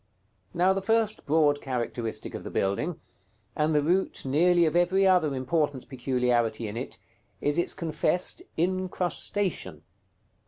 § XXIV. Now the first broad characteristic of the building, and the root nearly of every other important peculiarity in it, is its confessed incrustation.